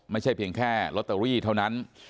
ไม่ใช่เพียงแค่ลอตเตอรี่เท่านั้น